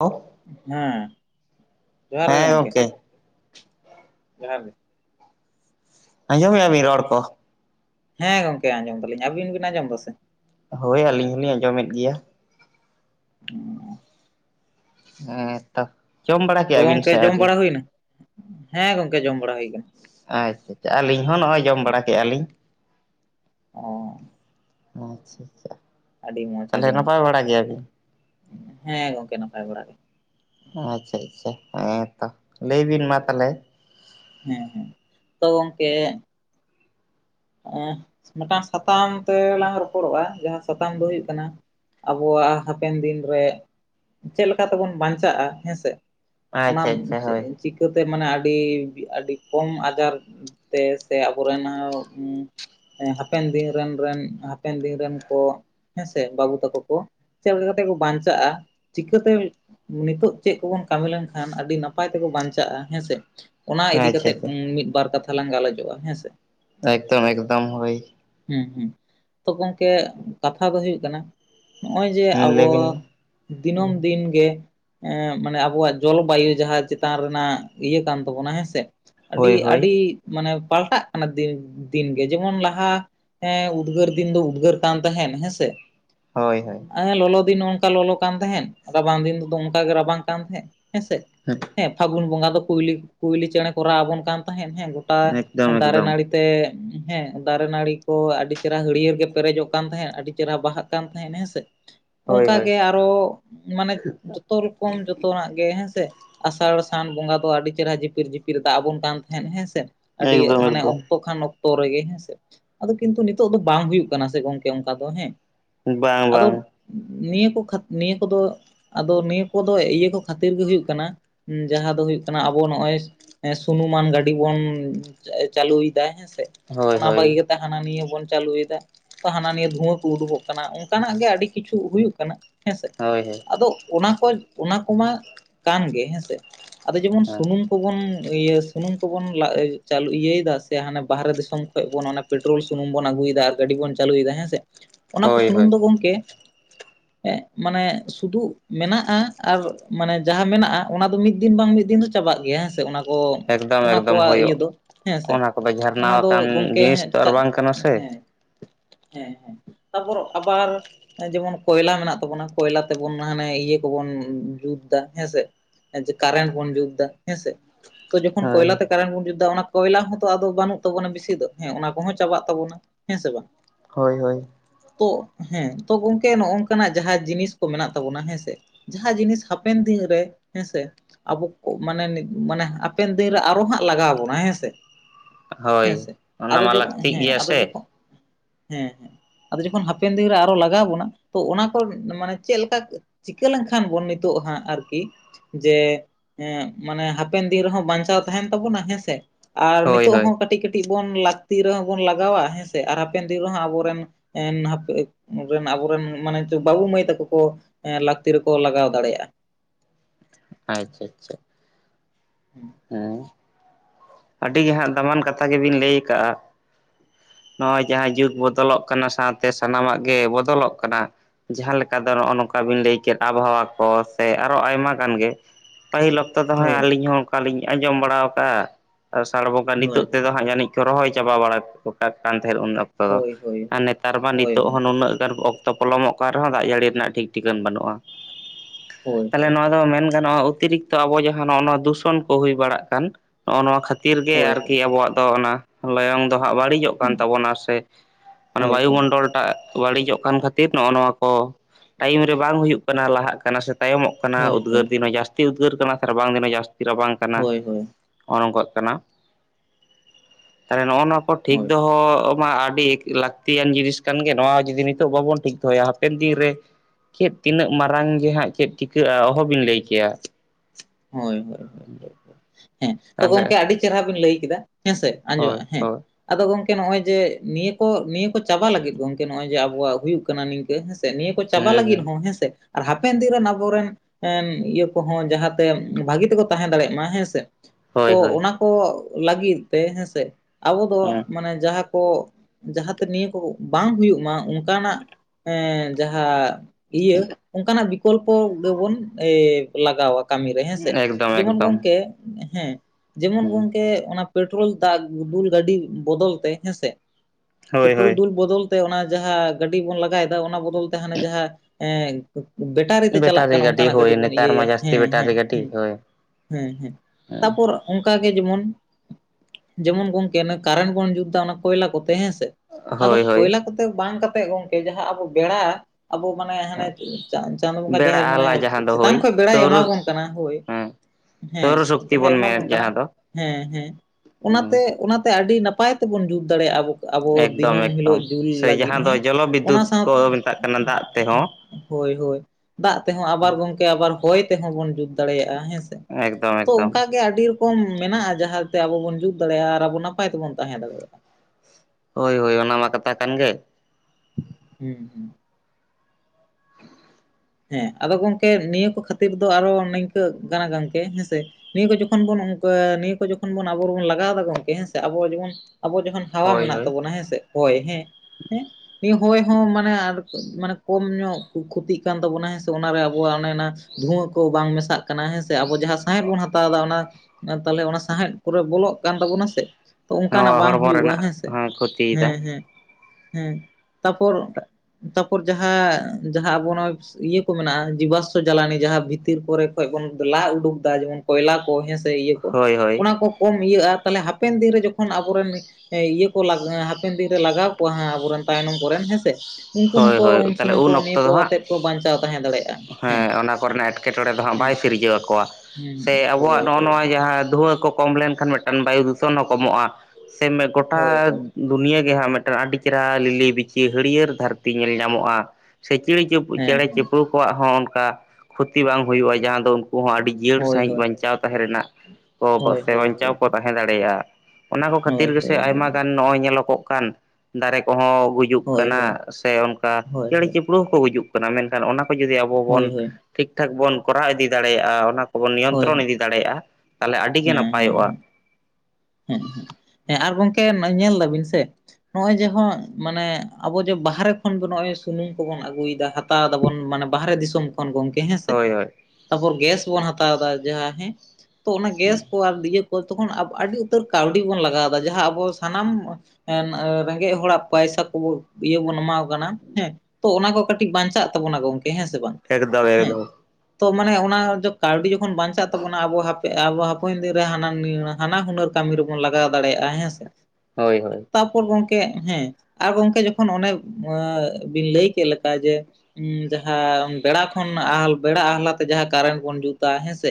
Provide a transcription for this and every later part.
ᱚᱦ [unintelligible] ᱦᱮᱸ, ᱡᱚᱦᱟᱨ ᱜᱮ ᱦᱮᱸ ᱜᱚᱢᱠᱮ ᱾ ᱜᱚᱝᱠᱮ ᱡᱚᱦᱟᱨ ᱜᱮ ᱾ ᱟᱸᱡᱚ ᱢᱮᱜᱼᱟ ᱵᱤᱱ ᱨᱚᱲ ᱠᱚ? ᱦᱮᱸ ᱜᱚᱝᱠᱮ ᱟᱸᱡᱚᱢ ᱫᱟᱞᱤᱧ ᱾ ᱟᱹᱵᱤᱱ ᱵᱤᱱ ᱟᱸᱡᱚᱢ ᱫᱟᱥᱮ? ᱦᱳᱭ ᱟᱹᱞᱤᱧ ᱦᱚᱞᱤᱧ ᱟᱸᱡᱚᱢᱮᱫ ᱜᱮᱭᱟ ᱾ [unintelligible] ᱦᱮᱸ ᱛᱚ ᱾ ᱛᱚ ᱜᱚᱝᱠᱮ ᱡᱚᱢ ᱵᱟᱲᱟ ᱦᱩᱭᱱᱟ? ᱦᱮᱸ ᱜᱚᱝᱠᱮ ᱡᱚᱢ ᱵᱟᱲᱟ ᱦᱩᱭ ᱠᱟᱱᱟ ᱾ ᱟᱪᱪᱷᱟ ᱟᱪᱪᱷᱟ, ᱟᱹᱞᱤᱧ ᱦᱚᱸ ᱱᱚᱜᱼᱚᱭ ᱡᱚᱢ ᱵᱟᱲᱟ ᱠᱮᱫ ᱟᱞᱤᱧ ᱾ ᱚ, ᱟᱪᱪᱷᱟ ᱟᱪᱪᱷᱟ, ᱟᱹᱰᱤ ᱢᱚᱸᱡᱽ ᱛᱟᱦᱚᱞᱮ ᱟᱹᱰᱤ ᱢᱚᱸᱡᱽ ᱱᱟᱯᱟᱭ ᱵᱟᱲᱟ ᱜᱮᱭᱟ ᱵᱤᱱ? ᱦᱮᱸ ᱜᱚᱝᱠᱮ ᱱᱟᱯᱟᱭ ᱵᱟᱲᱟ ᱜᱮ ᱾ ᱟᱪᱪᱷᱟ ᱟᱪᱪᱷᱟ ᱦᱮᱸ ᱛᱚ, ᱞᱟᱹᱭ ᱵᱤᱱ ᱢᱟ ᱛᱟᱦᱚᱞᱮ ᱾ ᱦᱮᱸ, ᱛᱚ ᱜᱚᱝᱠᱮᱼᱼ ᱢᱤᱫᱴᱟᱝ ᱥᱟᱛᱟᱢ ᱛᱮᱞᱟᱝ ᱨᱚᱯᱚᱲᱚᱜᱼᱟ, ᱡᱟᱦᱟᱸ ᱥᱟᱛᱟᱢ ᱫᱚ ᱦᱩᱭᱩᱜ ᱠᱟᱱᱟᱼᱼ ᱟᱵᱚᱣᱟᱜ ᱦᱟᱯᱮᱱ ᱫᱤᱱᱨᱮ ᱪᱮᱫ ᱞᱮᱠᱟ ᱛᱮᱵᱚᱱ ᱵᱟᱧᱪᱟᱜᱼᱟ ᱦᱮᱸᱥᱮ ᱾ ᱚᱱᱟ ᱟᱪᱪᱷᱟ ᱟᱪᱪᱷᱟ ᱦᱳᱭ [unintelligible] ᱪᱤᱠᱟᱹᱛᱮ ᱢᱟᱱᱮ ᱟᱹᱰᱤ, ᱟᱹᱰᱤ ᱠᱚᱢ ᱟᱡᱟᱨ ᱛᱮ ᱥᱮ ᱟᱵᱚᱨᱮᱱ ᱱᱚᱜᱼᱚᱭᱼᱼ ᱦᱩᱸ ᱦᱟᱯᱮᱱ ᱫᱤᱱ ᱨᱮᱱ ᱨᱮᱱ ᱦᱟᱯᱮᱱ ᱫᱤᱱ ᱨᱮᱱ ᱠᱚᱼᱼ ᱦᱮᱸᱥᱮ ᱵᱟᱹᱵᱩ ᱛᱟᱠᱚ ᱠᱚ ᱪᱮᱫ ᱞᱮᱠᱟ ᱠᱟᱛᱮ ᱠᱚ ᱵᱟᱧᱪᱟᱜᱼᱟ ᱪᱤᱠᱟᱹᱛᱮᱼᱼ ᱱᱤᱛᱚᱜ ᱪᱮᱫ ᱠᱚᱵᱚᱱ ᱠᱟᱹᱢᱤ ᱞᱮᱱᱠᱷᱟᱱ ᱟᱹᱰᱤ ᱱᱟᱯᱟᱭ ᱛᱮᱠᱚ ᱵᱟᱧᱪᱟᱜᱼᱟ ᱦᱮᱸᱥᱮ ᱾ ᱚᱱᱟ ᱤᱫᱤ ᱟᱪᱪᱷᱟ ᱠᱟᱛᱮᱜ ᱟᱪᱪᱷᱟ ᱢᱤᱫ ᱵᱟᱨ ᱠᱟᱛᱷᱟ ᱞᱟᱝ ᱜᱟᱞᱚᱡᱚᱜᱼᱟ ᱦᱮᱸ ᱥᱮ ᱾ ᱮᱠᱫᱚᱢ ᱮᱠᱫᱚᱢ ᱦᱳᱭ ᱾ ᱦᱮᱸ ᱦᱩᱸ, ᱛᱚ ᱜᱚᱝᱠᱮ ᱠᱟᱛᱷᱟ ᱫᱚ ᱦᱩᱭᱩᱜ ᱠᱟᱱᱟᱼᱼ ᱱᱚᱜᱼᱚᱭ ᱡᱮ ᱦᱮᱸ ᱞᱟᱹᱭ ᱟᱵᱚ ᱵᱤᱱ ᱢᱟ᱾ ᱫᱤᱱᱟᱹᱢ ᱫᱤᱱᱜ ᱜᱮᱼᱼ ᱮᱸ ᱢᱟᱱᱮ ᱟᱵᱚᱣᱟᱜ ᱡᱚᱞᱵᱟᱭᱩ ᱡᱟᱦᱟᱸ ᱪᱮᱛᱟᱱ ᱨᱮᱱᱟᱜ ᱤᱭᱟᱹ ᱠᱟᱱ ᱛᱟᱵᱚᱱᱟ ᱦᱮᱸ ᱥᱮ ᱾ ᱟᱹᱰᱤ ᱦᱳᱭ ᱦᱳᱭ ᱟᱹᱰᱤ ᱢᱟᱱᱮ ᱯᱟᱞᱴᱟᱜ ᱠᱟᱱᱟ ᱫᱤᱱ ᱼᱼ ᱫᱤᱱ ᱜᱮ ᱡᱮᱢᱚᱱ ᱞᱟᱦᱟ ᱩᱫᱽᱜᱟᱹᱨ ᱫᱤᱱ ᱫᱚ ᱩᱫᱽᱜᱟᱹᱨ ᱠᱟᱱ ᱛᱟᱸᱦᱮᱱ ᱦᱮᱸᱥᱮ ᱾ ᱦᱚᱭ ᱦᱚᱭ ᱾ ᱦᱮᱸ ᱞᱚᱞᱚ ᱫᱤᱱ ᱦᱚᱸ ᱚᱱᱠᱟ ᱞᱚᱞᱚ ᱠᱟᱱ ᱛᱟᱦᱮᱸᱫ, ᱨᱟᱵᱟᱝ ᱫᱤᱱ ᱦᱚᱸᱛᱚ ᱚᱱᱠᱟ ᱜᱮ ᱨᱟᱵᱟᱝ ᱠᱟᱱ ᱛᱟᱦᱮᱸᱫ ᱾ ᱦᱮᱸᱥᱮ ᱦᱮᱸ ᱯᱷᱟᱹᱜᱩᱱ ᱵᱚᱸᱜᱟ ᱫᱚ ᱠᱩᱭᱞᱤ ᱠᱩᱭᱞᱤ ᱪᱮᱬᱮ ᱠᱚ ᱨᱟᱜ ᱟᱵᱚᱱ ᱠᱟᱱ ᱛᱟᱦᱮᱸᱫ ᱦᱮᱸ ᱥᱮ ᱾ ᱮᱠᱫᱚᱢ ᱟᱨ ᱫᱟᱨᱮ ᱮᱠᱫᱚᱢ ᱱᱟᱹᱲᱤᱼᱼ ᱛᱮ ᱦᱮᱸ ᱫᱟᱨᱮ ᱱᱟᱹᱲᱤ ᱠᱚ ᱟᱹᱰᱤ ᱪᱮᱦᱨᱟ ᱦᱟᱹᱨᱭᱟᱹᱲ ᱜᱮ ᱯᱮᱨᱮᱡᱚᱜ ᱠᱟᱱ ᱛᱟᱦᱮᱸᱫ, ᱟᱹᱰᱤ ᱪᱮᱦᱨᱟ ᱵᱟᱦᱟᱜ ᱠᱟᱱ ᱛᱟᱦᱮᱸᱫ ᱦᱮᱸ ᱥᱮ ᱾ ᱦᱳᱭ ᱦᱳᱭ ᱚᱱᱠᱟᱜᱮ ᱟᱨᱚ, ᱢᱟᱱᱮ ᱡᱚᱛᱚ ᱨᱚᱠᱚᱢ ᱡᱚᱛᱚᱣᱟᱜ ᱜᱮ ᱦᱮᱸᱥᱮᱼᱼ ᱟᱥᱟᱲ ᱥᱟᱱ ᱵᱚᱸᱜᱟ ᱫᱚ ᱟᱹᱰᱤ ᱪᱮᱦᱨᱟ ᱡᱤᱯᱤᱨ ᱡᱤᱯᱤᱨ ᱫᱟᱜ ᱟᱵᱚᱱ ᱠᱟᱱ ᱛᱟᱦᱮᱸᱫ ᱦᱮᱸ ᱥᱮ ᱟᱹᱰᱤ ᱮᱠᱫᱚᱢ ᱢᱟᱱᱮᱼᱼ ᱮᱠᱫᱚᱢ ᱚ ᱠᱷᱟᱱ ᱚᱠᱛᱚ ᱨᱮᱜᱮ, ᱟᱫᱚ ᱠᱤᱱᱛᱩ ᱱᱤᱛᱚᱜ ᱫᱚ ᱵᱟᱝ ᱦᱩᱭᱩᱜ ᱠᱟᱱᱟ ᱥᱮ ᱜᱚᱝᱠᱮ ᱚᱱᱠᱟ ᱫᱚ ᱦᱮᱸᱼᱼ ᱵᱟᱝ ᱵᱟᱝ ᱾ ᱱᱤᱭᱟᱹ ᱠᱚ ᱠᱷᱟ ᱱᱤᱭᱟᱹ ᱠᱚᱫᱚᱼᱼ ᱟᱫᱚ ᱱᱤᱭᱟᱹ ᱠᱚᱫᱚ ᱤᱭᱟᱹ ᱠᱚ ᱠᱷᱟᱹᱛᱤᱨ ᱜᱮ ᱦᱩᱭᱩᱜ ᱠᱟᱱᱟ, ᱡᱟᱦᱟᱸ ᱫᱚ ᱦᱩᱭᱩᱜ ᱠᱟᱱᱟ ᱟᱵᱚ ᱱᱚᱜᱼᱚᱭᱼᱼ ᱮ ᱥᱩᱱᱩᱢᱟᱱ ᱜᱟᱹᱰᱤ ᱵᱚᱱ ᱪᱟ ᱪᱟᱞᱩᱭ ᱦᱮᱸ ᱥᱮ ᱦᱳᱭ ᱚᱱᱟ ᱦᱳᱭ ᱵᱟᱹᱜᱤ ᱠᱟᱛᱮ ᱦᱟᱱᱟ ᱱᱤᱭᱟᱹ ᱵᱚᱱ ᱪᱟᱹᱞᱩᱭᱮᱫᱟ ᱛᱚ ᱦᱟᱱᱟ ᱱᱤᱭᱟᱹ ᱫᱷᱩᱣᱟᱹ ᱠᱚ ᱩᱰᱩᱠᱚᱜ ᱠᱟᱱᱟ ᱚᱱᱠᱟᱱᱟᱜ ᱜᱮ ᱟᱹᱰᱤ ᱠᱤᱪᱷᱩ ᱦᱩᱭᱩᱜ ᱠᱟᱱᱟ ᱦᱮᱸᱥᱮ᱾ ᱦᱳᱭ ᱦᱳᱭ᱾ ᱟᱫᱚ ᱚᱱᱟ ᱠᱚ ᱚᱱᱟ ᱠᱚᱢᱟ ᱠᱟᱱ ᱜᱮ ᱦᱮᱸᱥᱮ ᱟᱫᱚ ᱡᱮᱢᱚᱱ ᱥᱩᱱᱩᱢ ᱠᱚᱵᱚᱱ ᱤᱭᱟᱹ ᱥᱩᱱᱩᱢ ᱠᱚᱵᱚᱱ ᱪᱟᱹᱩ ᱤᱭᱟᱹᱭᱫᱟ ᱥᱮ, ᱥᱮ ᱦᱟᱱᱮ ᱵᱟᱦᱨᱮ ᱫᱤᱥᱚᱢ ᱠᱷᱚᱱ ᱵᱚᱱ ᱚᱱᱟ ᱯᱮᱴᱨᱳᱞ ᱥᱩᱱᱩᱢ ᱵᱚᱱ ᱟᱹᱜᱩᱭᱮᱫᱟ ᱟᱨ ᱜᱟᱹᱰᱤ ᱵᱚᱱ ᱪᱟᱹᱞᱩᱭᱮᱫᱟ ᱦᱮᱸ ᱥᱮ, ᱚᱱᱟ ᱠᱚ ᱦᱳᱭ ᱥᱩᱱᱩᱢ ᱦᱳᱭ ᱫᱚ ᱜᱚᱢᱠᱮ ᱢᱟᱱᱮ ᱥᱩᱫᱩᱜ ᱢᱮᱱᱟᱜᱼᱟ ᱟᱨ ᱢᱟᱱᱮ ᱡᱟᱦᱟᱸ ᱢᱮᱱᱟᱜᱼᱟ ᱚᱱᱟ ᱫᱚ ᱢᱤᱫ ᱫᱤᱱ ᱵᱟᱝ ᱢᱤᱫ ᱫᱤᱱ ᱫᱚ ᱪᱟᱵᱟᱜ ᱜᱮᱭᱟ ᱦᱮᱸ ᱥᱮ ᱚᱱᱟ ᱠᱚ ᱮᱠᱫᱚᱢ ᱚᱱᱟ ᱮᱠᱫᱚᱢ ᱠᱚᱣᱟᱜ ᱤᱭᱟᱹ ᱦᱳᱭᱳᱜ ᱫᱚ ᱦᱮᱸ ᱥᱮ ᱚᱱᱟ ᱠᱚᱫᱚ ᱚᱱᱟ ᱡᱷᱟᱨᱱᱟ ᱫᱚ ᱟᱠᱟᱱ ᱜᱚᱝᱠᱮ ᱡᱤᱱᱤᱥ ᱛᱚ ᱟᱨ ᱪᱟᱜ ᱵᱟᱝ ᱠᱟᱱᱟ ᱥᱮ ᱦᱮᱸ ᱦᱮᱸ ᱦᱮᱸ, ᱛᱟᱨᱯᱚᱨ ᱟᱵᱟᱨ ᱡᱮᱢᱚᱱ ᱠᱚᱭᱞᱟ ᱢᱮᱱᱟᱜ ᱛᱟᱵᱚᱱᱟ ᱠᱚᱭᱞᱟ ᱛᱮᱵᱚᱱ ᱦᱟᱱᱮ ᱤᱭᱟᱹ ᱠᱚᱵᱚᱱ ᱡᱩᱛ ᱫᱟ ᱦᱮᱸᱥᱮ, ᱠᱟᱨᱮᱱᱴ ᱵᱚᱱ ᱡᱩᱛ ᱫᱟ ᱦᱮᱸᱥᱮ ᱛᱚ ᱡᱚᱠᱷᱚᱱ ᱦᱳᱭ ᱠᱚᱭᱞᱟᱛᱮ ᱠᱟᱨᱮᱱᱴ ᱵᱚᱱ ᱡᱩᱛ ᱫᱟ ᱚᱱᱟ ᱠᱚᱭᱞᱟ ᱦᱚᱸ ᱛᱚ ᱟᱫᱚ ᱵᱟᱹᱱᱩᱜ ᱛᱟᱵᱚᱱᱟ ᱵᱮᱥᱤ ᱫᱚ ᱦᱮᱸ ᱚᱱᱟ ᱠᱚᱦᱚᱸ ᱪᱟᱵᱟᱜ ᱛᱟᱵᱚᱱᱟ ᱦᱮᱸ ᱥᱮ ᱵᱟᱝ, ᱦᱳᱭ ᱦᱳᱭ᱾ ᱛᱚ ᱦᱮᱸ ᱛᱚ ᱜᱚᱝᱠᱮ ᱱᱚᱜ ᱱᱚᱝᱠᱟ ᱱᱟᱜ ᱡᱟᱦᱟᱸ ᱡᱤᱱᱤᱥ ᱠᱚ ᱢᱮᱱᱟᱜ ᱛᱟᱵᱚᱱᱟ ᱦᱮᱸ ᱥᱮ, ᱡᱟᱦᱟᱸ ᱡᱤᱱᱤᱥ ᱦᱟᱯᱮᱱ ᱫᱤᱱ ᱨᱮ ᱦᱮᱸᱥᱮ ᱟᱵᱚ ᱠᱚ ᱢᱟᱱᱮ ᱢᱟᱱᱮ ᱦᱟᱯᱮᱱ ᱫᱤᱱ ᱨᱮ ᱟᱨᱚ ᱦᱟᱸᱜ ᱞᱟᱜᱟᱣ ᱵᱚᱱᱟ ᱦᱮᱸᱥᱮ, ᱦᱳᱭ ᱦᱮᱸ ᱥᱮ ᱚᱱᱟ ᱟᱫᱚ ᱢᱟ ᱡᱚᱠᱷᱚᱱ ᱞᱟᱹᱠᱛᱤᱜ ᱦᱮᱸ ᱜᱮᱭᱟ ᱟᱫᱚ ᱥᱮ ᱡᱚᱠᱷᱚᱱ ᱦᱮᱸ ᱦᱮᱸ, ᱟᱫᱚ ᱡᱚᱠᱷᱚᱱ ᱦᱟᱯᱮᱱ ᱫᱤᱱ ᱨᱮ ᱟᱨᱚ ᱞᱟᱜᱟᱣ ᱟᱵᱚᱱᱟ ᱛᱚ ᱚᱱᱟ ᱠᱚ ᱢᱟᱱᱮ ᱪᱮᱫ ᱞᱮᱠᱟ ᱪᱤᱠᱟᱹ ᱞᱮᱱᱠᱷᱟᱱ ᱵᱚᱱ ᱱᱤᱛᱚᱜ ᱦᱟᱸᱜ ᱟᱨᱠᱤ ᱡᱮ ᱢᱟᱱᱮ ᱦᱟᱯᱮᱱ ᱫᱤᱱ ᱨᱮᱦᱚᱸ ᱵᱟᱧᱪᱟᱣ ᱛᱟᱦᱮᱱ ᱛᱟᱵᱚᱱᱟ ᱦᱮᱸᱥᱮ ᱟᱨ ᱦᱳᱭ ᱱᱤᱛᱚᱜ ᱦᱳᱭ ᱦᱚᱸ ᱠᱟᱹᱴᱤᱡ ᱠᱟᱹᱴᱤᱡ ᱵᱚᱱ ᱞᱟᱹᱠᱛᱤ ᱨᱮᱦᱚᱸ ᱵᱚᱱ ᱞᱟᱜᱟᱣᱟ ᱦᱮᱸᱥᱮ ᱟᱨ ᱦᱟᱯᱮᱱ ᱫᱤᱱ ᱨᱮᱦᱚᱸ ᱟᱵᱚᱨᱮᱱ ᱦᱟᱯᱨᱮᱱ ᱟᱵᱚᱨᱮᱱ ᱢᱟᱱᱮ ᱵᱟᱹᱵᱩ ᱢᱟᱹᱭ ᱛᱟᱠᱚ ᱠᱚ [inaudible] ᱞᱟᱹᱠᱛᱤ ᱨᱮᱠᱚ ᱞᱟᱜᱟᱣ ᱫᱟᱲᱮᱭᱟᱜᱼᱟ᱾ ᱟᱪᱪᱷᱟ ᱟᱪᱪᱷᱟ᱾ [unintelligible] ᱦᱮᱸ ᱟᱹᱰᱤ ᱜᱮ ᱦᱟᱸᱜ ᱫᱟᱢᱟᱱ ᱠᱟᱛᱷᱟ ᱜᱮᱵᱤᱱ ᱞᱟᱹᱭ ᱠᱟᱜ-ᱟ, ᱱᱚᱜ-ᱚᱭ ᱡᱟᱦᱟᱸ ᱡᱩᱜᱽ ᱵᱚᱫᱚᱞᱚᱜ ᱠᱟᱱᱟ ᱥᱟᱶᱛᱮ ᱥᱟᱱᱟᱢᱟᱜ ᱜᱮ ᱵᱚᱫᱚᱞᱚᱜ ᱠᱟᱱᱟ᱾ ᱡᱟᱦᱟᱸ ᱞᱮᱠᱟ ᱫᱚ ᱱᱚᱜ-ᱚ ᱱᱚᱝᱠᱟ ᱵᱤᱱ ᱞᱟᱹᱭ ᱠᱮᱫ ᱟᱵᱚᱦᱟᱣᱟ ᱠᱚ ᱥᱮ ᱟᱨᱚ ᱟᱭᱢᱟ ᱜᱟᱱ ᱜᱮ, ᱯᱟᱹᱦᱤᱞ ᱚᱠᱛᱚ ᱫᱚ ᱦᱟᱸᱜ ᱦᱳᱭ ᱟᱹᱞᱤᱧ ᱦᱚᱸ ᱚᱱᱠᱟᱞᱤᱧ ᱟᱸᱡᱚᱢ ᱵᱟᱲᱟ ᱠᱟᱜ-ᱟ᱾ ᱟᱥᱟᱲ ᱵᱚᱸᱜᱟ ᱦᱳᱭ ᱱᱤᱛᱚᱜ ᱛᱮᱫᱚ ᱦᱟᱸᱜ ᱡᱟᱹᱱᱤᱡ ᱠᱚ ᱨᱚᱦᱚᱭ ᱪᱟᱵᱟ ᱵᱟᱲᱟᱜ ᱠᱟᱱ ᱛᱟᱦᱮᱸᱫ ᱩᱱᱚᱠ ᱛᱚ ᱫᱚ ᱦᱳᱭ ᱦᱳᱭ ᱟᱨ ᱦᱳᱭ ᱱᱮᱛᱟᱨ ᱢᱟ ᱦᱳᱭ ᱱᱤᱛᱚᱜ ᱦᱚᱸ ᱜᱚᱢᱠᱮ ᱱᱩᱱᱟᱹᱜ ᱜᱟᱱ ᱚᱠ ᱛᱚ ᱯᱚᱞᱚᱢᱚᱜ ᱠᱟᱱ ᱨᱮᱦᱚᱸ ᱫᱟᱜ ᱡᱟᱹᱲᱤ ᱨᱮᱱᱟᱜ ᱴᱷᱤᱠ ᱴᱷᱤᱠᱟᱹᱱ ᱵᱟᱹᱱᱩᱜᱼᱟ᱾ ᱦᱳᱭ ᱛᱟᱦᱚᱞᱮ ᱱᱚᱣᱟ ᱫᱚ ᱢᱮᱱ ᱜᱟᱱᱚᱜ-ᱟ ᱚᱛᱤᱨᱤᱠᱛ ᱛᱚ ᱟᱵᱚ ᱡᱟᱦᱟᱸ ᱱᱚᱜ-ᱚ ᱱᱚᱣᱟ ᱫᱩᱥᱚᱱ ᱠᱚ ᱦᱩᱭ ᱵᱟᱲᱟᱜ ᱠᱟᱱ ᱱᱚᱜ-ᱚ ᱱᱚᱣᱟ ᱠᱷᱟᱹᱛᱤᱨ ᱜᱮ ᱦᱳᱭ ᱦᱳᱭ ᱟᱨᱠᱤ ᱟᱵᱚᱣᱟᱜ ᱫᱚ ᱚᱱᱟ ᱞᱟᱭᱚᱝ ᱫᱚ ᱦᱟᱸᱜ ᱵᱟᱹᱲᱤᱡᱚᱜ ᱠᱟᱱ ᱛᱟᱵᱚᱱᱟ ᱥᱮ ᱢᱟᱱᱮ ᱦᱳᱭ ᱦᱳᱭ ᱵᱟᱭᱩᱢᱚᱱᱰᱚᱞ ᱴᱟᱜ ᱵᱟᱹᱲᱤᱡᱚᱜ ᱠᱟᱱ ᱠᱷᱟᱹᱛᱤᱨ ᱱᱚᱜ-ᱚ ᱱᱚᱣᱟ ᱠᱚ ᱴᱟᱭᱤᱢ ᱨᱮ ᱵᱟᱝ ᱦᱩᱭᱩᱜ ᱠᱟᱱᱟ ᱞᱟᱦᱟᱜ ᱠᱟᱱᱟ ᱥᱮ ᱛᱟᱭᱚᱢᱚᱜ ᱦᱳᱭ ᱠᱟᱱᱟ ᱦᱳᱭ ᱩᱫᱽᱜᱟᱹᱨ ᱦᱳᱭ ᱫᱤᱱ ᱦᱚᱸ ᱡᱟᱹᱥᱛᱤ ᱩᱫᱽᱜᱟᱹᱨ ᱠᱟᱱᱟ ᱨᱟᱵᱟᱝ ᱫᱤᱱ ᱦᱚᱸ ᱡᱟᱹᱥᱛᱤ ᱨᱟᱵᱟᱝ ᱠᱟᱱᱟ ᱦᱳᱭ ᱦᱳᱭ ᱱᱚᱜ-ᱚ ᱱᱚᱝᱠᱟ, ᱠᱟᱱᱟ ᱛᱟᱦᱚᱞᱮ ᱱᱚᱜ-ᱚ ᱱᱚᱣᱟ ᱠᱚ ᱴᱷᱤᱠ ᱦᱳᱭ ᱫᱚᱦᱚ ᱢᱟ ᱟᱹᱰᱤ ᱞᱟᱹᱠᱛᱤ ᱞᱟᱹᱠᱛᱤᱭᱟᱱ ᱡᱤᱱᱤᱥ ᱠᱟᱱ ᱜᱮ ᱱᱚᱣᱟ ᱦᱚ ᱡᱩᱫᱤ ᱱᱤᱛᱚᱜ ᱵᱟᱵᱚᱱ ᱴᱷᱤᱠ ᱫᱚᱦᱚᱭᱟ ᱦᱟᱯᱮᱱ ᱫᱤᱱ ᱨᱮ ᱪᱮᱫ ᱛᱤᱱᱟᱹᱜ ᱢᱟᱨᱟᱝ ᱜᱮᱦᱟᱸᱜ ᱪᱮᱫ ᱪᱤᱠᱟᱹᱜᱼᱟ ᱚᱦᱚᱵᱤᱱ ᱞᱟᱹᱭ ᱠᱮᱭᱟ᱾ ᱦᱳᱭ ᱦᱳᱭ ᱦᱳᱭ ᱦᱮᱸ ᱛᱚ ᱛᱟᱦᱚᱞᱮ ᱜᱚᱢᱠᱮ ᱟᱹᱰᱤ ᱪᱮᱨᱦᱟ ᱵᱤᱱ ᱞᱟᱹᱭ ᱠᱮᱫᱟ ᱦᱮᱸ ᱥᱮ, ᱦᱳᱭ ᱟᱸᱡᱚ-ᱟ ᱦᱮᱸ᱾ ᱦᱳᱭ ᱟᱫᱚ ᱜᱚᱝᱠᱮ ᱱᱚᱜ-ᱚᱭ ᱡᱮ ᱱᱤᱭᱟᱹ ᱠᱚ ᱱᱤᱭᱟᱹ ᱠᱚ ᱪᱟᱵᱟ ᱞᱟᱹᱜᱤᱫ ᱜᱚᱝᱠᱮ ᱱᱚᱜᱼᱚᱭ ᱡᱮ ᱟᱵᱚᱣᱟᱜ ᱦᱩᱭᱩᱜ ᱠᱟᱱᱟ ᱱᱤᱝᱠᱟᱹ ᱦᱮᱸᱥᱮ ᱱᱤᱭᱟᱹ ᱠᱚ ᱪᱟᱵᱟ ᱦᱩᱸ ᱞᱟᱹᱜᱤᱫ ᱦᱩᱸ ᱦᱚᱸ ᱦᱮᱸ ᱥᱮ ᱟᱨ ᱦᱟᱯᱮᱱ ᱫᱤᱱ ᱨᱮᱱ ᱟᱵᱚᱨᱮᱱ ᱤᱭᱟᱹ ᱠᱚᱦᱚᱸ ᱡᱟᱦᱟᱸ ᱛᱮ ᱵᱷᱟᱹᱜᱤ ᱛᱮᱠᱚ ᱛᱟᱦᱮᱸ ᱫᱟᱲᱮᱭᱟᱜ ᱢᱟ ᱦᱮᱸ ᱥᱮ ᱦᱳᱭ ᱛᱚ ᱦᱳᱭ ᱚᱱᱟ ᱠᱚ ᱞᱟᱹᱜᱤᱫ ᱛᱮ ᱦᱮᱸ ᱥᱮ᱾ ᱟᱵᱚ ᱫᱚ ᱦᱮᱸ ᱢᱟᱱᱮ ᱡᱟᱦᱟᱸ ᱠᱚ ᱡᱟᱦᱟᱸᱛᱮ ᱱᱤᱭᱟᱹ ᱠᱚ ᱵᱟᱝ ᱦᱩᱭᱩᱜ ᱢᱟ ᱚᱝᱠᱟᱱᱟᱜ ᱮᱸ ᱡᱟᱦᱟᱸ ᱤᱭᱟᱹ ᱚᱝᱠᱟᱱᱟᱜ ᱵᱤᱠᱚᱞᱯᱚ ᱜᱮᱵᱚᱱ ᱮᱻ ᱞᱟᱜᱟᱣᱟ ᱠᱟᱹᱢᱤ ᱨᱮ ᱦᱮᱸᱥᱮ᱾ ᱮᱠᱫᱚᱢ ᱡᱮᱢᱚᱱ ᱮᱠᱫᱚᱢ ᱜᱚᱝᱠᱮ ᱦᱮᱸ, ᱡᱮᱢᱚᱱ ᱦᱩᱸ ᱜᱚᱝᱠᱮ ᱚᱱᱟ ᱯᱮᱴᱨᱳᱞ ᱫᱟᱜ ᱫᱩᱞ ᱜᱟᱰᱤ ᱵᱚᱫᱚᱞ ᱛᱮ ᱦᱮᱸ ᱥᱮ ᱦᱳᱭ ᱦᱳᱭ ᱯᱮᱴᱨᱳᱞ ᱫᱩᱞ ᱵᱚᱫᱚᱞ ᱛᱚ, ᱚᱱᱟ ᱡᱟᱦᱟᱸ ᱜᱟᱹᱰᱤ ᱵᱚᱱ ᱞᱟᱜᱟᱭᱫᱟ ᱚᱱᱟ ᱵᱚᱫᱚᱞᱛᱮ ᱦᱟᱱᱮ ᱡᱟᱦᱟᱸ ᱮᱸᱻ [unintelligible] ᱵᱮᱴᱟᱨᱤ ᱛᱮ ᱪᱟᱞᱟᱜ ᱠᱟᱱᱟ ᱜᱟᱹᱰᱤ ᱚᱝᱠᱟᱱᱟᱜ ᱦᱳᱭ ᱜᱟᱰᱤ ᱵᱚᱱ ᱱᱮᱛᱟᱨ ᱢᱟ ᱤᱭᱟᱹᱭᱟ ᱡᱟᱹᱥᱛᱤ ᱦᱮᱸ ᱦᱮᱸ ᱵᱮᱴᱟᱨᱤ ᱜᱟᱹᱰᱤ ᱦᱩᱸ, ᱦᱳᱭ ᱦᱩᱸ ᱦᱩᱸ ᱦᱮᱸ ᱛᱟᱯᱚᱨ ᱚᱝᱠᱟ ᱜᱮ ᱡᱮᱢᱚᱱ, ᱡᱮᱢᱚᱱ ᱜᱚᱝᱠᱮ ᱚᱱᱮ ᱠᱟᱨᱮᱱ ᱵᱚᱱ ᱡᱩᱛᱫᱟ ᱚᱱᱟ ᱠᱚᱭᱞᱟ ᱠᱚᱛᱮ ᱦᱮᱸ ᱥᱮ᱾ ᱦᱳᱭ ᱟᱫᱚ ᱦᱳᱭ ᱠᱚᱭᱞᱟ ᱠᱚᱛᱮ ᱵᱟᱝ ᱠᱟᱛᱮᱫ ᱜᱚᱢᱠᱮ ᱡᱟᱦᱟᱸ ᱟᱵᱚ ᱵᱮᱲᱟ ᱟᱵᱚ ᱢᱟᱱᱮ ᱦᱟᱱᱮ ᱪᱟᱸ, ᱪᱟᱸ, ᱪᱟᱸᱫᱚ ᱵᱚᱸᱜᱟ ᱡᱟᱦᱟᱸᱭ ᱵᱮᱲᱟ ᱢᱟᱱᱮ ᱟᱦᱞᱟ ᱡᱟᱦᱟᱸ ᱫᱚ ᱪᱮᱛᱟᱱ ᱦᱳᱭ ᱠᱷᱚᱡ ᱵᱮᱲᱟᱭ ᱮᱢᱟ ᱥᱳᱨᱚ ᱵᱚᱱ ᱠᱟᱱᱟ ᱦᱳᱭ, ᱦᱮᱸ ᱦᱮᱸ ᱥᱳᱨᱚ ᱥᱚᱠᱛᱤ ᱡᱟᱦᱟᱸᱭ ᱵᱚᱱ ᱮᱢᱟᱵᱚᱱ ᱢᱮᱱ ᱠᱟᱱᱟ ᱡᱟᱦᱟᱸ ᱫᱚ ᱦᱮᱸ ᱦᱮᱸ ᱚᱱᱟᱛᱮ ᱦᱮᱸ ᱚᱱᱟᱛᱮ ᱟᱹᱰᱤ ᱱᱟᱯᱟᱭ ᱛᱮᱵᱚᱱ ᱡᱩᱛ ᱫᱟᱲᱮᱭᱟᱜ-ᱟ ᱟᱵᱚ᱾ ᱟᱵᱚ ᱮᱠᱫᱚᱢ ᱫᱤᱱᱟᱹᱢ ᱮᱠᱫᱚᱢ ᱦᱤᱞᱳᱜ ᱡᱩᱞ ᱥᱮ ᱞᱟᱹᱜᱤᱫ ᱡᱟᱦᱟᱸ ᱫᱚ ᱦᱮᱸ, ᱡᱚᱞᱚ ᱚᱱᱟ ᱵᱤᱫᱽᱫᱩᱛ ᱥᱟᱶ ᱠᱚ ᱢᱮᱛᱟᱜ ᱠᱟᱱᱟ ᱫᱟᱜ ᱛᱮᱦᱚᱸ ᱦᱳᱭ ᱦᱳᱭ ᱫᱟᱜ ᱛᱮᱦᱚᱸ ᱟᱵᱟᱨ ᱜᱚᱝᱠᱮ ᱟᱵᱟᱨ ᱦᱚᱭ ᱛᱮᱦᱚᱸ ᱵᱚᱱ ᱡᱩᱛ ᱫᱟᱲᱮᱭᱟᱜ-ᱟ ᱦᱮᱸᱥ ᱮᱠᱫᱚᱢ ᱮᱠᱫᱚᱢ᱾ ᱤᱭᱟᱹ ᱟᱹᱰᱤ ᱨᱚᱠᱚᱢ ᱢᱮᱱᱟᱜ-ᱟ ᱡᱟᱦᱟᱸᱛᱮ ᱟᱵᱚ ᱵᱚᱱ ᱡᱩᱛ ᱫᱟᱲᱮᱭᱟᱜ-ᱟ ᱟᱨ ᱟᱵᱚ ᱱᱟᱯᱟᱭ ᱛᱮᱵᱚᱱ ᱛᱟᱦᱮᱸ ᱫᱟᱲᱮᱭᱟᱜ-ᱟ᱾ ᱦᱳᱭ ᱦᱳᱭ ᱚᱱᱟ ᱢᱟ ᱠᱟᱛᱷᱟ ᱠᱟᱱ ᱜᱮ᱾ ᱦᱩᱸ ᱦᱩᱸ᱾ ᱦᱮᱸ ᱟᱫᱚ ᱜᱚᱝᱠᱮ ᱱᱤᱭᱟᱹ ᱠᱚ ᱠᱷᱟᱛᱤᱨ ᱫᱚ ᱟᱨᱚ ᱱᱤᱝᱠᱟᱹᱜ ᱠᱟᱱᱟ ᱜᱚᱝᱠᱮ ᱦᱮᱸ ᱥᱮ᱾ ᱱᱤᱭᱟᱹ ᱠᱚ ᱡᱚᱠᱷᱚᱱ ᱵᱚᱱ ᱚᱝᱠᱟ ᱱᱤᱭᱟᱹ ᱠᱚ ᱡᱚᱠᱷᱚᱱ ᱵᱚᱱ ᱟᱵᱚᱱ ᱞᱟᱜᱟᱣᱫᱟ ᱜᱚᱝᱠᱮ ᱦᱮᱸ ᱥᱮ ᱟᱵᱚ ᱡᱮᱢᱚᱱ ᱟᱵᱚ ᱡᱚᱠᱷᱚᱱ ᱦᱟᱣᱟ ᱦᱳᱭ ᱢᱮᱱᱟᱜ ᱦᱳᱭ ᱛᱟᱵᱚᱱᱟ ᱦᱮᱸ ᱥᱮ᱾ ᱦᱚᱭ ᱦᱮᱸ, ᱦᱮᱸ ᱱᱤᱭᱟᱹ ᱦᱚᱭ ᱦᱚᱸ ᱢᱟᱱᱮ ᱢᱟᱱᱮ ᱠᱚᱢ ᱧᱚᱜ ᱠᱷᱚᱛᱤᱜ ᱠᱟᱱ ᱛᱟᱵᱚᱱᱟ ᱦᱮᱸ ᱥᱮ ᱚᱱᱟᱨᱮ ᱟᱵᱚᱣᱟᱜ ᱚᱱᱮ ᱚᱱᱟ ᱫᱷᱩᱣᱟᱹ ᱠᱚ ᱵᱟᱝ ᱢᱮᱥᱟᱜ ᱠᱟᱱᱟ ᱦᱮᱸ ᱥᱮ᱾ ᱟᱵᱚ ᱡᱟᱦᱟᱸ ᱥᱟᱸᱦᱮᱫ ᱵᱚᱱ ᱦᱟᱛᱟᱣᱫᱟ ᱚᱱᱟ ᱛᱟᱦᱞᱮ ᱚᱱᱟ ᱥᱟᱦᱮᱫ ᱠᱚᱨᱮ ᱵᱚᱞᱚᱜ ᱠᱟᱱ ᱛᱟᱵᱚᱱᱟ ᱥᱮ ᱛᱚ ᱚᱱᱠᱟᱱᱟᱜ ᱵᱟᱝ ᱦᱚᱲᱢᱚ ᱦᱩᱭᱩᱜ-ᱟ ᱨᱮᱱᱟᱜ ᱦᱮᱸ ᱥᱮ ᱦᱚᱸᱭ ᱠᱷᱚᱛᱤᱭᱮᱫᱟ ᱦᱮᱸ ᱦᱮᱸ ᱦᱮᱸ᱾ ᱛᱟᱯᱚᱨ, ᱛᱟᱯᱚᱨ ᱡᱟᱦᱟᱸ ᱡᱟᱦᱟᱸ ᱟᱵᱚ ᱱᱚᱜ-ᱚᱭ ᱤᱭᱟᱹ ᱠᱚ ᱢᱮᱱᱟᱜ-ᱟ ᱡᱤᱵᱟᱥᱥᱚ ᱡᱟᱞᱟᱱᱤ ᱡᱟᱦᱟᱸ ᱵᱷᱤᱛᱤᱨ ᱠᱚᱨᱮ ᱠᱷᱚᱱ ᱵᱚᱱ ᱞᱟ ᱩᱰᱩᱠᱫᱟ ᱡᱮᱢᱚᱱ ᱠᱚᱭᱞᱟ ᱠᱚ ᱦᱮᱸ ᱥᱮ ᱤᱭᱟᱹ ᱠᱚ ᱦᱳᱭ ᱦᱳᱭ ᱚᱱᱟ ᱠᱚ ᱠᱚᱢ ᱤᱭᱟᱹᱜ-ᱟ, ᱛᱟᱦᱞᱮ ᱦᱟᱯᱮᱱ ᱫᱤᱱ ᱨᱮ ᱡᱚᱠᱷᱚᱱ ᱟᱵᱚᱨᱮᱱ ᱮᱸ, ᱤᱭᱟᱹ ᱠᱚ ᱞᱟᱜᱽ ᱦᱟᱯᱮᱱ ᱫᱤᱱ ᱨᱮ ᱞᱟᱜᱟᱣ ᱠᱚᱣᱟ ᱦᱟᱸᱜ ᱟᱵᱚᱨᱮᱱ ᱛᱟᱭᱱᱚᱢ ᱠᱚᱨᱮᱱ ᱦᱮᱸ ᱥᱮ᱾ ᱦᱳᱭ ᱦᱳᱭ ᱛᱟᱦᱞᱮ ᱩᱱ ᱚᱠᱛᱚ ᱫᱚ ᱦᱟᱸᱜ ᱟᱛᱮᱫ ᱠᱚ ᱵᱟᱧᱪᱟᱣ ᱛᱟᱦᱮᱸ ᱫᱟᱲᱮᱭᱟᱜᱼᱟ ᱦᱮᱸ ᱚᱱᱟ ᱠᱚᱨᱮᱱᱟᱜ ᱮᱴᱠᱮᱴᱚᱬᱮ ᱫᱚ ᱦᱟᱸᱜ ᱦᱩᱸ ᱵᱟᱭ ᱥᱤᱨᱡᱟᱹᱣᱟᱠᱚᱣᱟ᱾ ᱦᱩᱸ ᱥᱮ ᱦᱳᱭ ᱟᱵᱚᱣᱟᱜ ᱱᱚᱜ-ᱚ ᱦᱳᱭ ᱱᱚᱣᱟ ᱡᱟᱦᱟᱸ ᱫᱷᱩᱶᱟᱹ ᱠᱚ ᱠᱚᱢ ᱞᱮᱱ ᱠᱷᱟᱱ ᱢᱤᱫᱴᱟᱱ ᱵᱟᱭᱩ ᱫᱩᱥᱚᱱ ᱦᱚᱸ ᱠᱚᱢᱚᱜ-ᱟ ᱥᱮ ᱦᱳᱭ ᱜᱚᱴᱟ ᱦᱳᱭ ᱫᱩᱱᱭᱟᱹ ᱜᱮ ᱦᱟᱸᱜ ᱢᱤᱫᱴᱟᱱ ᱟᱹᱰᱤ ᱪᱮᱦᱨᱟ ᱞᱤᱞᱤ ᱵᱤᱪᱤ ᱦᱟᱹᱲᱭᱟᱹᱨ ᱫᱷᱟᱹᱨᱛᱤ ᱧᱮᱞ ᱧᱟᱢᱚᱜ-ᱟ᱾ ᱥᱮ ᱪᱤᱲᱤ ᱪᱤᱯᱩ, ᱦᱮᱸ ᱪᱮᱬᱮ ᱦᱮᱸ ᱪᱤᱯᱨᱩ ᱠᱚᱣᱟᱜ ᱦᱚᱸ ᱚᱱᱠᱟ ᱠᱷᱚᱛᱤ ᱵᱟᱝ ᱦᱩᱭᱩᱜ-ᱟ ᱡᱟᱦᱟᱸ ᱫᱚ ᱩᱱᱠᱩ ᱦᱚᱸ ᱟᱹᱰᱤᱼᱼ ᱡᱤᱭᱟᱹᱲ ᱦᱳᱭ ᱥᱟᱺᱦᱤᱡ ᱦᱳᱭ ᱵᱟᱧᱪᱟᱣ ᱛᱟᱦᱮᱸ ᱨᱮᱱᱟᱜ ᱠᱚ ᱦᱳᱭ ᱥᱮ ᱦᱳᱭ ᱵᱟᱧᱪᱟᱣ ᱠᱚ ᱛᱟᱦᱮᱸ ᱫᱟᱲᱮᱭᱟᱜ-ᱟ᱾ ᱚᱱᱟ ᱠᱚ ᱠᱷᱟᱛᱤᱨ ᱦᱳᱭ ᱜᱮᱥᱮ ᱦᱳᱭ ᱦᱳᱭ ᱟᱭᱢᱟ ᱜᱟᱱ ᱱᱚᱜ-ᱚᱭ ᱧᱮᱞᱚᱜᱚᱜ ᱠᱟᱱ ᱫᱟᱨᱮ ᱠᱚᱦᱚᱸ ᱜᱩᱡᱩᱜ ᱦᱳᱭ ᱦᱳᱭ ᱠᱟᱱᱟ᱾ ᱥᱮ ᱚᱱᱠᱟ ᱦᱳᱭ ᱪᱮᱬᱮ ᱦᱳᱭ ᱪᱤᱯᱲᱩ ᱦᱚᱸᱠᱚ ᱜᱩᱡᱩᱜ ᱠᱟᱱᱟ ᱢᱮᱱᱠᱷᱟᱱ ᱚᱱᱟ ᱠᱚ ᱡᱩᱫᱤ ᱟᱵᱚ ᱵᱚᱱ ᱦᱳᱭ ᱦᱳᱭ ᱦᱳᱭ ᱴᱷᱤᱠ ᱴᱷᱟᱠ ᱵᱚᱱ ᱠᱚᱨᱟᱣ ᱤᱫᱤ ᱫᱟᱲᱮᱭᱟᱜ-ᱟ, ᱚᱱᱟ ᱠᱚᱵᱚᱱ ᱦᱳᱭ ᱱᱤᱭᱚᱱᱛᱨᱚᱱ ᱤᱫᱤ ᱫᱟᱲᱮᱭᱟᱜᱼᱟ ᱛᱟᱦᱞᱮ ᱟᱹᱰᱤᱜᱮ ᱱᱟᱯᱟᱭᱚᱜ-ᱟ᱾ ᱦᱩᱸ ᱦᱩᱸ ᱟᱨ ᱜᱚᱝᱠᱮ ᱱᱚᱜ ᱧᱮᱞ ᱫᱟᱵᱤᱱ ᱥᱮ᱾ ᱱᱚᱜ-ᱚᱭ ᱡᱮ ᱦᱚᱸᱜ ᱢᱟᱱᱮ ᱟᱵᱚ ᱡᱮ ᱵᱟᱦᱨᱮ ᱠᱷᱚᱱ ᱫᱚ ᱱᱚᱜ-ᱚᱭ ᱥᱩᱱᱩᱢ ᱠᱚᱵᱚᱱ ᱟᱹᱜᱩᱭᱫᱟ ᱦᱟᱛ ᱦᱟᱛᱟᱣ ᱫᱟᱵᱚᱱ, ᱢᱟᱱᱮ ᱵᱟᱦᱨᱮ ᱫᱤᱥᱚᱢ ᱠᱷᱚᱱ ᱜᱚᱢᱠᱮ ᱦᱮᱸᱥᱮ, ᱦᱳᱭ ᱦᱳᱭ ᱛᱟᱯᱚᱨ ᱜᱮᱥ ᱵᱚᱱ ᱦᱟᱛᱟᱣ ᱫᱟ ᱡᱟᱦᱟᱸ, ᱦᱮᱸ ᱛᱚ ᱚᱱᱟ ᱜᱮᱥ ᱠᱚ ᱟᱨ ᱤᱭᱟᱹ ᱠᱚ, ᱛᱚᱠᱷᱚᱱ ᱟᱹᱰᱤ ᱩᱛᱟᱹᱨ ᱠᱟᱹᱣᱰᱤ ᱵᱚᱱ ᱞᱟᱜᱟᱣ ᱫᱟ, ᱡᱟᱦᱟᱸ ᱟᱵᱚ ᱥᱟᱱᱟᱢ ᱮᱱ ᱨᱮᱸᱜᱮᱡ ᱦᱚᱲᱟᱜ ᱯᱟᱭᱥᱟ ᱠᱚ, ᱤᱭᱟᱹ ᱵᱚᱱ ᱮᱢᱟ ᱠᱟᱱᱟ ᱦᱮᱸ ᱛᱚ ᱚᱱᱟ ᱠᱚ ᱠᱟᱹᱴᱤᱡ ᱵᱟᱧᱪᱟᱜ ᱛᱟᱵᱚᱱᱟ, ᱜᱚᱢᱠᱮ ᱦᱮᱸ ᱥᱮ ᱵᱟᱝ ᱮᱠᱫᱚᱢ ᱦᱮᱸ? ᱮᱠᱫᱚᱢ ᱛᱚ ᱢᱟᱱᱮ ᱚᱱᱟ ᱠᱟᱹᱣᱰᱤ ᱡᱚᱠᱷᱚᱱ ᱵᱟᱧᱪᱟᱜ ᱛᱟᱵᱚᱱᱟ, ᱟᱵᱚ ᱟᱵᱚ ᱦᱟᱯᱚᱱ ᱫᱤᱱ ᱨᱮ, ᱦᱟᱱᱟ ᱱᱩᱱᱟᱹᱜ ᱦᱟᱱᱟ ᱦᱩᱱᱟᱹᱨᱼᱼ ᱠᱟᱢᱤ ᱨᱮᱵᱚᱱ ᱞᱟᱜᱟᱣ ᱫᱟᱲᱮᱭᱟᱜᱼᱟ ᱦᱮᱸ ᱥᱮ? ᱦᱳᱭ, ᱦᱳᱭ᱾ ᱛᱟᱯᱚᱨ ᱜᱚᱢᱠᱮ ᱦᱮᱸ, ᱟᱨ ᱜᱚᱢᱠᱮ ᱡᱚᱠᱷᱚᱱ ᱚᱱᱮ ᱵᱤᱱ ᱞᱟᱹᱭ ᱠᱮᱫ ᱞᱮᱠᱟ ᱡᱮ ᱡᱟᱦᱟᱸ ᱵᱮᱲᱟ ᱠᱷᱚᱱ, ᱵᱮᱲᱟ ᱟᱦᱞᱟᱛᱮ ᱡᱟᱦᱟᱸ ᱠᱟᱨᱮᱱᱴ ᱵᱚᱱ ᱡᱩᱛᱟ ᱦᱮᱸᱥᱮᱼᱼ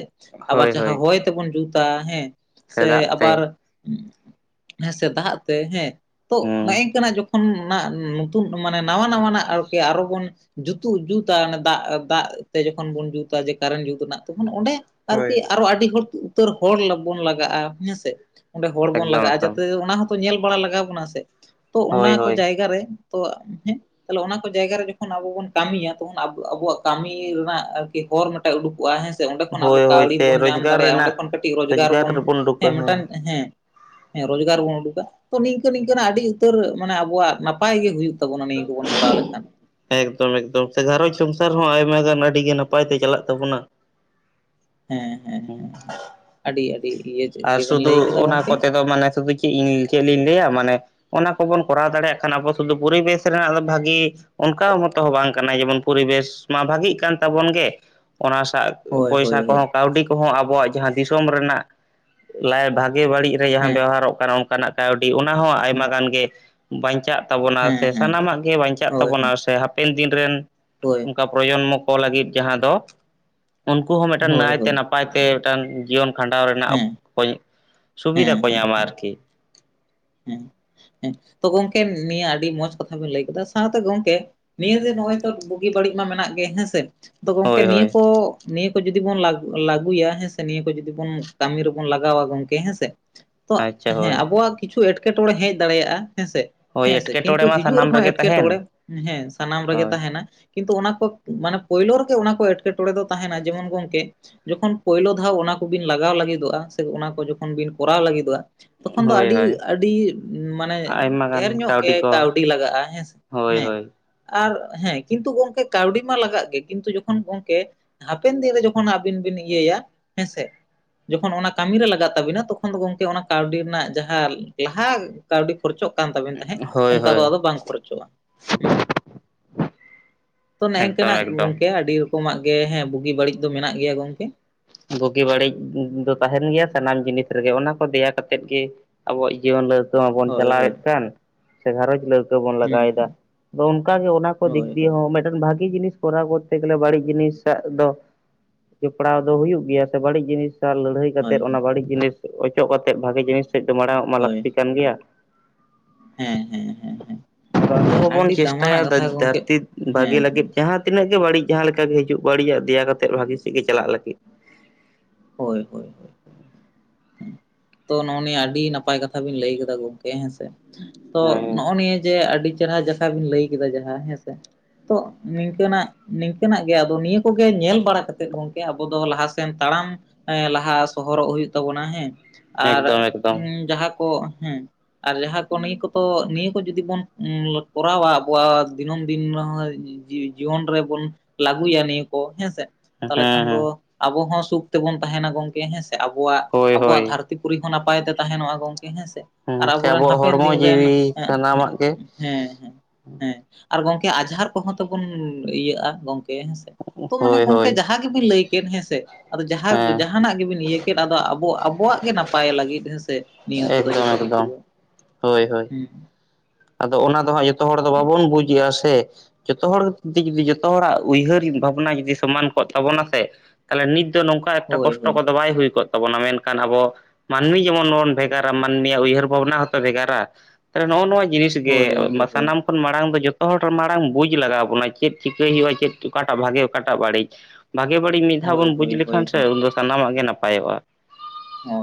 ᱟᱵᱟᱨ ᱦᱳᱭ ᱡᱟᱦᱟᱸ ᱦᱳᱭ ᱦᱚᱭ ᱛᱮᱵᱚᱱ ᱡᱩᱛᱟ, ᱦᱮᱸ ᱥᱮ ᱪᱮᱫᱟᱜ ᱟᱵᱚ ᱛᱮ ᱦᱮᱸ ᱥᱮ ᱫᱟᱜ ᱛᱮ ᱦᱮᱸ, ᱛᱚ ᱱᱚᱜᱼ ᱦᱮᱸ ᱤᱝ ᱠᱟᱱᱟ ᱡᱚᱠᱷᱚᱱ ᱡᱚᱠᱷᱚᱱ ᱱᱟ ᱱᱚᱛᱩᱱ ᱢᱟᱱᱮ, ᱱᱟᱣᱟ ᱱᱟᱣᱟᱱᱟᱜ ᱟᱨᱠᱤ ᱟᱨᱚ ᱵᱚᱱ ᱡᱩᱛᱩᱜ ᱡᱩᱛᱟ, ᱚᱱᱟ ᱫᱟᱜ ᱫᱟᱜ ᱛᱮ ᱡᱚᱠᱷᱚᱱ ᱵᱚᱱ ᱡᱩᱛᱟ, ᱡᱮ ᱠᱟᱨᱮᱱᱴ ᱡᱩᱛ ᱨᱮᱱᱟᱜ ᱛᱚᱠᱷᱚᱱ ᱚᱸᱰᱮ ᱦᱳᱭ ᱟᱨᱠᱤ ᱟᱨᱚ ᱟᱹᱰᱤ ᱦᱚᱲ, ᱩᱛᱟᱹᱨ ᱦᱚᱲ ᱵᱚᱱ ᱞᱟᱜᱟᱜᱼᱟ ᱦᱮᱸᱥᱮ? ᱚᱸᱰᱮ ᱦᱚᱲ ᱵᱚᱱ ᱮᱠᱫᱚᱢ ᱞᱟᱜᱟᱜᱼᱟ, ᱮᱠᱫᱚᱢ ᱡᱟᱛᱮ ᱚᱱᱟ ᱦᱚᱸᱛᱚ ᱧᱮᱞ ᱵᱟᱲᱟ ᱞᱟᱜᱟᱣ ᱵᱚᱱᱟ, ᱥᱮ ᱛᱚ ᱦᱳᱭ ᱚᱱᱟ ᱠᱚ ᱦᱳᱭ ᱡᱟᱭᱜᱟ ᱨᱮ ᱛᱚ ᱦᱮᱸ ᱛᱟᱦᱚᱞᱮ ᱚᱱᱟ ᱠᱚ ᱡᱟᱭᱜᱟ ᱨᱮ, ᱡᱚᱠᱷᱚᱱ ᱟᱵᱚ ᱵᱚᱱ ᱠᱟᱹᱢᱤᱭᱟ, ᱛᱚᱠᱷᱚᱱ ᱟᱵᱚ ᱟᱵᱩᱣᱟᱜ ᱠᱟᱹᱢᱤ ᱨᱮᱱᱟᱜ ᱟᱨ ᱠᱤ ᱦᱚᱨ ᱢᱤᱫᱴᱟᱜ ᱩᱰᱩᱠᱚᱜᱼᱟ ᱦᱮᱸ ᱥᱮ, ᱚᱸᱰᱮ ᱠᱷᱚᱱ ᱟᱵᱚ ᱦᱳᱭ ᱦᱳᱭ ᱠᱟᱹᱣᱰᱤ ᱥᱮ ᱵᱚᱱ ᱧᱟᱢ ᱫᱟᱲᱮᱭᱟᱜᱼᱟ᱾ ᱚᱸᱰᱮ ᱠᱷᱚᱱ ᱠᱟᱹᱴᱤᱡ ᱨᱳᱡᱽᱜᱟᱨ ᱵᱚᱱ ᱳᱵᱩᱠᱟ ᱦᱮᱸ᱾ ᱦᱮᱸ, ᱦᱮᱸ ᱨᱚᱡᱽᱜᱟᱨ ᱵᱚᱱ ᱩᱰᱩᱠᱟ, ᱛᱚ ᱱᱤᱝᱠᱟᱹ ᱱᱤᱝᱠᱟᱹᱱᱟᱜ, ᱟᱹᱰᱤ ᱩᱛᱟᱹᱨ ᱢᱟᱱᱮ ᱟᱵᱚᱣᱟᱜ ᱱᱟᱯᱟᱭ ᱜᱮ ᱦᱳᱭᱩᱜ ᱛᱟᱵᱩᱱᱟ ᱱᱤᱭᱟᱹ ᱠᱚᱵᱚᱱ ᱠᱚᱨᱟᱣ ᱞᱮᱠᱷᱟᱱ᱾ ᱮᱠᱫᱚᱢ ᱮᱠᱫᱚᱢ, ᱥᱮ ᱜᱷᱟᱨᱚᱸᱡᱽ ᱥᱚᱝᱥᱟᱨ ᱦᱚᱸ ᱟᱭᱢᱟ ᱜᱟᱱ ᱟᱹᱰᱤ ᱜᱮ, ᱱᱟᱯᱟᱭ ᱛᱮ ᱪᱟᱞᱟᱜ ᱛᱟᱵᱚᱱᱟ᱾ ᱦᱮᱸ, ᱦᱮᱸ ᱦᱮᱸ ᱦᱩᱸ, ᱟᱹᱰᱤ, ᱟᱹᱰᱤ, ᱤᱭᱟᱹ ᱟᱨ ᱜᱮᱵᱮᱱ ᱥᱩᱫᱩ ᱞᱟᱹᱭ ᱠᱟᱫᱟ ᱚᱱᱟ ᱜᱚᱝᱠᱮ ᱠᱚᱛᱮ ᱫᱚ, ᱢᱟᱱᱮ ᱥᱩᱫᱩ ᱪᱮᱜ ᱤᱧ ᱪᱮᱫᱞᱤᱧ ᱞᱟᱹᱭᱟ ᱢᱟᱱᱮ ᱚᱱᱟ ᱠᱚᱵᱚᱱ ᱠᱚᱨᱟᱣ ᱫᱟᱲᱮᱭᱟᱜ ᱠᱷᱟᱱ, ᱟᱵᱚ ᱥᱩᱫᱷᱩ ᱯᱚᱨᱤᱵᱮᱥ ᱨᱮᱱᱟᱜ ᱫᱚ ᱵᱷᱟᱹᱜᱮ᱾ ᱚᱱᱠᱟ ᱦᱚᱸᱛᱚ ᱦᱚᱸ ᱵᱟᱝ ᱠᱟᱱᱟ, ᱡᱮᱢᱚᱱ ᱯᱚᱨᱤᱵᱮᱥ ᱢᱟ ᱵᱷᱟᱜᱤᱜ ᱠᱟᱱ ᱛᱟᱵᱚᱱ ᱜᱮ, ᱚᱱᱟ ᱥᱟᱜ ᱦᱳᱭ ᱯᱚᱭᱥᱟ ᱦᱳᱭ ᱦᱳᱭ ᱠᱚᱦᱚᱸ ᱠᱟᱹᱣᱰᱤ ᱠᱚᱦᱚᱸ, ᱟᱵᱚᱣᱟᱜ ᱡᱟᱦᱟᱸ ᱫᱤᱥᱚᱢ ᱨᱮᱱᱟᱜ ᱞᱟᱭ ᱵᱷᱟᱜᱮ ᱵᱟᱹᱲᱤᱡ ᱨᱮ ᱡᱟᱦᱟᱸ ᱦᱮᱸ ᱵᱮᱣᱦᱟᱨᱚᱜ ᱠᱟᱱᱟ, ᱚᱱᱠᱟᱱᱟᱜ ᱠᱟᱹᱣᱰᱤ ᱚᱱᱟ ᱦᱚᱸ ᱟᱭᱢᱟ ᱜᱟᱱ ᱜᱮ ᱵᱟᱧᱪᱟᱜ ᱛᱟᱵᱚᱱᱟ ᱦᱮᱸ ᱥᱮ, ᱦᱮᱸ ᱥᱟᱱᱟᱢᱟᱜ ᱜᱮ ᱵᱟᱧᱪᱟᱜ ᱦᱳᱭ ᱛᱟᱵᱚᱱᱟ, ᱥᱮ ᱦᱟᱯᱮᱱ ᱫᱤᱱ ᱨᱮᱱ ᱦᱳᱭ ᱩᱱᱠᱟ ᱯᱨᱚᱡᱚᱱᱢᱚ ᱠᱚ ᱞᱟᱹᱜᱤᱫ ᱡᱟᱦᱟᱸ ᱫᱚ, ᱩᱱᱠᱩ ᱦᱚᱸ ᱢᱤᱫᱴᱟᱝ ᱦᱳᱭ ᱱᱟᱹᱭ ᱛᱮ ᱦᱳᱭ ᱱᱟᱯ ᱯᱟᱭ ᱛᱮ ᱢᱤᱫᱴᱟᱱ ᱡᱤᱭᱚᱱ ᱠᱷᱟᱸᱰᱟᱣ ᱨᱮᱱᱟᱜ, ᱦᱮᱸ ᱠᱚ ᱦᱮᱸ ᱥᱩᱵᱤᱫᱷᱟ ᱠᱚ ᱦᱮᱸ ᱧᱟᱢᱟ ᱟᱨᱠᱤ᱾ ᱦᱮᱸ ᱦᱮᱸ ᱛᱚ ᱜᱚᱢᱠᱮ ᱱᱤᱭᱟᱹ ᱟᱹᱰᱤ ᱢᱚᱸᱡᱽ ᱠᱟᱛᱷᱟ ᱵᱤᱱ ᱞᱟᱹᱭ ᱠᱮᱫᱟ, ᱥᱟᱶᱛᱮ ᱜᱚᱝᱠᱮ ᱱᱤᱭᱟᱹ ᱡᱮ ᱱᱚᱜᱼᱚᱭ ᱛᱚ, ᱵᱩᱜᱤ ᱵᱟᱹᱲᱤᱡ ᱢᱟ ᱢᱮᱱᱟᱜ ᱜᱮ ᱦᱮᱸᱥᱮ ᱟ ᱜᱚᱝᱠᱮ ᱦᱳᱭ ᱱᱤᱭᱟᱹ ᱦᱳᱭ ᱠᱚ ᱱᱤᱭᱟᱹ ᱠᱚ ᱡᱩᱫᱤ ᱵᱚᱱ ᱞᱟᱹᱜᱩᱭᱟ, ᱦᱮᱸᱥᱮ ᱱᱤᱭᱟᱹ ᱠᱚ ᱡᱩᱫᱤ ᱵᱚᱱ ᱠᱟᱹᱢᱤ ᱨᱮᱵᱩᱱ ᱞᱟᱜᱟᱣᱟ, ᱜᱚᱝᱠᱮ ᱦᱮᱸᱥᱮ? ᱛᱚ ᱟᱪᱪᱷᱟ ᱦᱮᱸ ᱦᱳᱭ ᱟᱵᱚᱣᱟᱜ ᱠᱤᱪᱷᱩ, ᱮᱴᱠᱮᱴᱚᱬᱮ ᱦᱮᱡ ᱫᱟᱲᱮᱭᱟᱜᱼᱟ ᱦᱮᱸᱥᱮ᱾ ᱦᱳᱭ ᱦᱮᱸ ᱥᱮ ᱮᱴᱠᱮᱴᱚᱬᱮ ᱠᱤᱱᱛᱩ ᱢᱟ ᱦᱤᱡᱩᱜ ᱥᱟᱱᱟᱢ ᱨᱮᱦᱚᱸ, ᱨᱮᱜᱮ ᱛᱟᱦᱮᱱ ᱮᱸᱴᱠᱮᱴᱬᱮ ᱦᱮᱸ ᱥᱟᱱᱟᱢ ᱨᱮᱜᱮ ᱦᱳᱭ ᱛᱟᱦᱮᱱᱟ᱾ ᱠᱤᱱᱛᱩ ᱚᱱᱟ ᱠᱚ ᱢᱟᱱᱮ ᱯᱳᱭᱞᱳ ᱨᱮᱜᱮ, ᱚᱱᱟ ᱠᱚ ᱮᱴᱠᱮᱴᱚᱬᱮ ᱫᱚ ᱛᱟᱦᱮᱱᱟ, ᱡᱮᱢᱚᱱ ᱜᱚᱢᱠᱮ ᱡᱚᱠᱷᱚᱱ ᱯᱳᱭᱞᱳ ᱫᱷᱟᱣ ᱚᱱᱟ ᱠᱚᱵᱤᱱ ᱞᱟᱜᱟᱣ ᱞᱟᱹᱜᱤᱫᱚᱜᱼᱟ, ᱥᱮ ᱚᱱᱟ ᱠᱚ ᱡᱚᱠᱷᱚᱱ ᱵᱤᱱ ᱠᱚᱨᱟᱣ ᱞᱟᱹᱜᱤᱫᱚᱜᱼᱟ᱾ ᱛᱚᱠᱷᱚᱱ ᱫᱚ ᱦᱳᱭ ᱟᱹᱰᱤ ᱦᱳᱭ ᱟᱹᱰᱤ ᱢᱟᱱᱮ ᱟᱭᱢᱟ ᱜᱟᱱ ᱰᱷᱮᱨ ᱧᱚᱜ ᱜᱮ, ᱠᱚ ᱠᱟᱹᱣᱰᱤ ᱞᱟᱜᱟᱜᱼᱟ ᱦᱮᱸ ᱥᱮ ᱦᱳᱭ ᱦᱮᱸ᱾ ᱦᱳᱭ ᱟᱨ ᱦᱮᱸ ᱠᱤᱱᱛᱩ ᱜᱚᱝᱠᱮ ᱠᱟᱹᱣᱰᱤ ᱢᱟ ᱞᱟᱜᱟᱜ ᱜᱮ, ᱠᱤᱱᱛᱩ ᱡᱚᱠᱷᱚᱱ ᱜᱚᱝᱠᱮ ᱦᱟᱯᱮᱱ ᱫᱤᱱ ᱨᱮ ᱡᱚᱠᱷᱚᱱ ᱟᱹᱵᱤᱱ ᱵᱤᱱ ᱤᱭᱟᱹᱭᱟ, ᱦᱮᱸᱥᱮ ᱡᱚᱠᱷᱚᱱ ᱚᱱᱟ ᱠᱟᱹᱢᱤᱨᱮ ᱞᱟᱜᱟᱜ ᱛᱟᱵᱤᱱᱟ ᱛᱚᱠᱷᱚᱱ ᱫᱚ ᱜᱚᱢᱠᱮ ᱚᱱᱟ ᱠᱟᱹᱣᱰᱤ ᱨᱮᱱᱟᱜ ᱡᱟᱦᱟᱸ ᱞᱟᱦᱟ ᱠᱟᱹᱣᱰᱤᱼᱼ ᱠᱷᱚᱨ ᱪᱚᱜ ᱠᱟᱱ ᱛᱟᱵᱮᱱ ᱛᱟᱦᱮᱸᱫ ᱦᱳᱭ ᱚᱱᱠᱟ ᱫᱚ ᱦᱳᱭ ᱟᱫᱚ ᱵᱟᱝ ᱠᱷᱚᱨᱪᱚᱜᱼᱟ ᱦᱩᱸ᱾ ᱛᱚ ᱮᱠᱫᱚᱢ ᱱᱮᱜᱝᱠᱟᱱᱟᱜ ᱮᱠᱫᱚᱢ ᱜᱚᱝᱠᱮ ᱟᱹᱰᱤ ᱨᱚᱠᱚᱢᱟᱜ ᱜᱮ ᱦᱮᱸ ᱵᱩᱜᱤ ᱵᱟᱹᱲᱤᱡ ᱫᱚ ᱢᱮᱱᱟᱜ ᱜᱮᱭᱟ ᱜᱚᱝᱠᱮ᱾ ᱵᱳᱜᱤ ᱵᱟᱹᱲᱤᱡ ᱫᱚ ᱛᱟᱦᱮᱱ ᱜᱮᱭᱟ ᱥᱟᱱᱟᱢ ᱡᱤᱱᱤᱥ ᱨᱮᱜᱮ ᱚᱱᱟ ᱠᱚ ᱫᱮᱭᱟ ᱠᱟᱛᱮᱫ ᱜᱮᱼᱼ ᱟᱵᱚᱣᱟᱜ ᱡᱤᱭᱚᱱ ᱞᱟᱹᱣᱠᱟᱹ ᱢᱟᱵᱚᱱ ᱦᱳᱭ ᱦᱳᱭ ᱪᱟᱞᱟᱣᱮᱫ ᱠᱟᱱ ᱥᱮ ᱜᱷᱟᱨᱚᱸᱡᱽ ᱞᱟᱹᱣᱼᱼ ᱫᱚ ᱵᱚᱱ ᱦᱩᱸ ᱞᱟᱜᱟᱣᱮᱫᱟ ᱦᱩᱸ ᱟᱫᱚ ᱚᱱᱠᱟᱜ ᱜᱮ ᱚᱱᱟ ᱠᱚ ᱫᱤᱠ ᱦᱳᱭ ᱫᱤᱭᱮ ᱦᱳᱭ ᱦᱚᱸ ᱢᱤᱫᱼᱼ ᱵᱷᱟᱜᱤ ᱡᱤᱱᱤᱥ ᱠᱚᱨᱟᱣ ᱠᱚᱨᱛᱮ ᱜᱮᱞᱮ ᱵᱟᱹᱲᱤᱡ ᱡᱤᱱᱤᱥᱟᱜ ᱫᱚ ᱡᱚᱯᱲᱟᱣᱼᱼ ᱫᱚ ᱦᱩᱭᱩᱜ ᱜᱮᱭᱟ ᱥᱮ ᱵᱟᱹᱲᱤᱡ ᱡᱤᱱᱤᱥ ᱥᱟᱜ ᱞᱟᱹᱲᱦᱟᱹᱭ ᱦᱳᱭ ᱠᱟᱛᱮᱫ ᱚᱱᱟ ᱵᱟᱹᱲᱤᱡ ᱡᱤᱱᱤᱥ ᱚᱪᱚᱜ ᱠᱟᱛᱮᱫ ᱵᱷᱟᱜᱤ ᱡᱤᱱᱤᱥᱼᱼ ᱮᱫ ᱫᱚ ᱢᱟᱲᱟᱝ ᱢᱟ ᱦᱳᱭ ᱞᱟᱹᱠᱛᱤ ᱠᱟᱱ ᱜᱮᱭᱟ᱾ [unintelligible] ᱦᱮᱸ ᱦᱮᱸ ᱦᱮᱸ ᱟᱫᱚ ᱦᱮ ᱟᱵᱚ ᱦᱮᱸ ᱦᱚᱸᱵᱚᱱ ᱟᱹᱰᱤ ᱪᱮᱥᱴᱟᱭᱟ ᱫᱟᱢᱟᱱᱟᱜ ᱠᱟᱛᱷᱟ ᱜᱮ ᱜᱚᱢᱠᱮ ᱫᱷᱟᱹᱨᱛᱤ ᱵᱷᱟᱜᱮ ᱦᱮᱸᱦᱮᱸ᱾ ᱞᱟᱹᱜᱤᱫ ᱡᱟᱦᱟᱸ ᱛᱤᱱᱟᱹᱜ ᱜᱮ ᱵᱟᱹᱲᱤᱡ ᱡᱟᱦᱟᱸ ᱞᱮᱠᱟ ᱜᱮ ᱦᱤᱡᱩᱜ ᱵᱟᱹᱲᱤᱡᱟᱜ ᱫᱮᱭᱟ ᱠᱟᱛᱮᱫ ᱵᱷᱟᱜᱤ ᱥᱮᱫ ᱜᱤ ᱪᱟᱞᱟᱜ ᱞᱟᱹᱜᱤᱫ᱾ ᱦᱳᱭ ᱦᱳᱭ᱾ ᱦᱳᱭ [unintelligible] ᱛᱚ ᱱᱚᱜᱼᱚᱭ ᱱᱤᱭᱟᱹ ᱟᱹᱰᱤ ᱱᱟᱯᱟᱭ ᱠᱟᱛᱷᱟ ᱵᱤᱱ ᱞᱟᱹᱭ ᱠᱟᱫᱟ ᱜᱚᱝᱠᱮ ᱦᱮᱸᱥ ᱛᱚ ᱦᱮᱸ ᱱᱚᱜᱼᱚᱭ ᱱᱤᱭᱟᱹ ᱡᱮ ᱟᱹᱰᱤᱼᱼ ᱪᱮᱨᱦᱟ ᱡᱟᱠᱟ ᱵᱤᱱ ᱞᱟᱹᱭ ᱠᱮᱫᱟ ᱡᱟᱦᱟᱸ ᱦᱮᱸ ᱥᱮ ᱛᱚ ᱱᱤᱝᱠᱟᱹᱱᱟᱜᱼᱼ ᱱᱤᱝᱠᱟᱹᱱᱟᱜ ᱜᱮ ᱟᱫᱚ ᱱᱤᱭᱟᱹ ᱠᱚᱜᱮ ᱧᱮᱞ ᱵᱟᱲᱟ ᱠᱟᱛᱮᱜ ᱜᱚᱝᱠᱮ ᱟᱵᱚ ᱫᱚ ᱞᱟᱦᱟᱥᱮᱱ ᱛᱟᱲᱟᱢᱼᱼ ᱦᱮᱸ ᱞᱟᱦᱟ ᱥᱚᱦᱚᱨᱚᱜ ᱦᱩᱭᱩᱜ ᱛᱟᱵᱚᱱᱟ ᱦᱮᱸ ᱟᱨ ᱮᱠᱫᱚᱢ ᱮᱠᱫᱚᱢ ᱤᱸ ᱡᱟᱦᱟᱸ ᱠᱚ ᱦᱮᱸᱼᱼ ᱟᱨ ᱡᱟᱦᱟᱸ ᱠᱚ ᱱᱤᱭᱟᱹ ᱠᱚᱫᱚ ᱱᱤᱭᱟᱹ ᱠᱚ ᱡᱩᱫᱤ ᱵᱚᱱ ᱩᱸ ᱠᱚᱨᱟᱣᱟ ᱟᱵᱚᱣᱟᱜ ᱫᱤᱱᱟᱹᱢ ᱫᱤᱱ ᱨᱮᱦᱚᱸᱭ, ᱡᱤᱣᱤ ᱡᱤᱭᱚᱱ ᱨᱮᱵᱚᱱ ᱞᱟᱹᱜᱩᱭᱟ ᱱᱤᱭᱟᱹ ᱠᱚ ᱦᱮᱸ ᱥᱮ᱾ ᱦᱮᱸ ᱛᱟᱦᱞᱮ ᱠᱷᱟᱱ ᱫᱚ ᱦᱮᱸ ᱟᱵᱚ ᱦᱚᱸ ᱥᱩᱠ ᱛᱮᱵᱚᱱ ᱛᱟᱦᱮᱱᱟ ᱜᱚᱝᱠᱮ ᱦᱮᱸ ᱥᱮ ᱟᱵᱚᱣᱟᱜ ᱦᱳᱭ ᱟᱵᱚᱣᱟᱜ ᱦᱳᱭ ᱫᱷᱟᱨᱼᱼ ᱛᱤ ᱯᱩᱨᱤ ᱦᱚᱸ ᱱᱟᱯᱟᱭ ᱛᱮ ᱛᱟᱦᱮᱱᱚᱜᱼᱟ ᱜᱚᱝᱠᱮ ᱦᱮᱸ ᱥᱮ ᱦᱮᱸ ᱟᱨ ᱥᱮ ᱟᱵᱚᱨᱮᱱ ᱟᱵᱚᱣᱟᱜ ᱦᱟᱯᱮᱱ ᱦᱚᱲᱢᱚ ᱫᱤᱱ ᱨᱮᱱ ᱡᱤᱣᱤ ᱦᱮᱜᱼᱮᱸᱼᱼ ᱥᱟᱱᱟᱢᱟᱜ ᱜᱮ ᱦᱮᱸ ᱦᱮᱸ ᱟᱨ ᱜᱚᱝᱠᱮ ᱟᱡᱷᱟᱨ ᱠᱚᱦᱚᱸ ᱛᱚᱵᱚᱱ ᱤᱭᱟᱹᱜᱼᱟ ᱜᱚᱝᱼᱼ ᱠᱮ ᱦᱮᱸ ᱥᱮ ᱛᱚ ᱢᱟᱱᱮ ᱦᱳᱭ ᱜᱚᱝᱠᱮ ᱦᱳᱭ ᱡᱟᱦᱟᱸ ᱜᱮᱵᱤᱱ ᱞᱟᱹᱭ ᱠᱮᱫ ᱦᱮᱸ ᱥᱮ ᱟᱫᱚ ᱦᱮᱸ ᱡᱟᱦᱟᱸᱼᱼ ᱡᱟᱦᱟᱱᱟᱜ ᱜᱮᱵᱤᱱ ᱤᱭᱟᱹ ᱠᱮᱫ ᱟᱫᱚ ᱟᱵᱚ ᱟᱵᱚᱣᱟᱜ ᱜᱮ ᱱᱟᱯᱟᱭ ᱞᱟᱹᱜᱤᱫ ᱦᱮᱸ‌ᱥᱮ᱾ ᱱᱤᱭᱟᱹ ᱠᱚᱫᱚ ᱮᱠᱫᱚᱢ ᱡᱚᱛᱚ ᱠᱤᱪᱩ ᱮᱠᱫᱚᱢ ᱫᱚ ᱦᱳᱭ ᱦᱳᱭ ᱦᱩᱸ᱾ ᱟᱫᱚ ᱚᱱᱟ ᱫᱚ ᱦᱟᱸᱜ ᱡᱚᱛᱚ ᱦᱚᱲ ᱫᱚ ᱵᱟᱵᱚᱱ ᱵᱩᱡᱮᱜᱼᱟ ᱥᱮ᱾ ᱡᱚᱛᱚ ᱦᱚᱲ [inaudible] ᱡᱚᱛᱚ ᱦᱚᱲᱟᱜ ᱩᱭᱦᱟᱹᱨ ᱵᱷᱟᱵᱽᱱᱟ ᱡᱩᱫᱤ ᱥᱚᱢᱟᱱ ᱠᱚᱜ ᱛᱟᱵᱚᱱᱟ ᱥᱮ, ᱛᱟᱦᱞᱮ ᱱᱤᱛ ᱫᱚ ᱱᱚᱝᱠᱟ ᱮᱠᱴᱟ ᱦᱳᱭ ᱠᱚᱥᱴᱚ ᱦᱳᱭ ᱠᱚᱫᱚ ᱵᱟᱭ ᱦᱩᱭ ᱠᱚᱫᱼᱼ ᱛᱟᱵᱚᱱᱟ ᱢᱮᱱᱠᱷᱟᱱ ᱟᱵᱚ ᱢᱟᱱᱢᱤ ᱡᱮᱢᱚᱱ ᱵᱚᱱ ᱵᱷᱮᱜᱟᱨᱟ ᱢᱟᱱᱢᱤᱭᱟᱜ ᱩᱭᱦᱟᱹᱨ ᱵᱷᱟᱵᱽᱱᱟ ᱦᱚᱸᱛᱚ ᱵᱷᱮᱜᱟᱨᱟ᱾ ᱱᱚᱜᱼᱚ ᱱᱚᱣᱟ ᱡᱤᱱᱤᱥ ᱜᱮ ᱦᱳᱭ ᱜᱚᱝᱠᱮ ᱢᱟ ᱦᱳᱭ ᱥᱟᱱᱟᱢᱼᱼ ᱠᱷᱚᱱ ᱢᱟᱲᱟᱝ ᱫᱚ ᱡᱚᱛᱚ ᱦᱚᱲ ᱢᱟᱲᱟᱝ ᱵᱩᱡᱽ ᱞᱟᱜᱟᱣ ᱵᱚᱱᱟ ᱪᱮᱫ ᱪᱤᱠᱟᱹᱭ ᱦᱩᱭᱩᱜᱼᱟ ᱪᱮᱫ ᱚᱠᱟᱴᱟᱜ ᱵᱷᱟᱜᱮ ᱚᱠᱟᱴᱟᱜ ᱵᱟᱲᱤᱪ᱾ ᱵᱷᱟᱜᱮ ᱵᱟᱹᱲᱤᱡ ᱢᱤᱫ ᱫᱷᱟᱣ ᱦᱳᱭ ᱵᱚᱱ ᱦᱳᱭ ᱵᱩᱡᱽ ᱦᱳᱭ ᱞᱮᱠᱷᱟᱱ ᱥᱮ ᱦᱳᱭ ᱩᱱᱫᱚ ᱥᱟᱱᱟᱢᱟᱜ ᱜᱮ ᱱᱟᱯᱟᱭᱚᱜᱼᱟ᱾ ᱦᱚᱭ